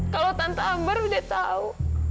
kalau tante ambar udah tahu